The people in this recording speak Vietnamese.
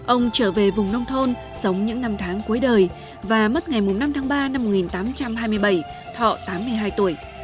ông trở về vùng nông thôn sống những năm tháng cuối đời và mất ngày năm tháng ba năm một nghìn tám trăm hai mươi bảy thọ tám mươi hai tuổi